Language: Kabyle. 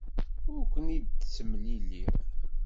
Ur ken-id-ttemliliɣ.